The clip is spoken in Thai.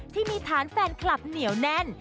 ที่มีฐานแฟนคลับเหนียวแน่น